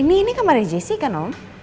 ini kamarnya jessy kan om